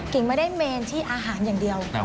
ไม่ได้เมนที่อาหารอย่างเดียว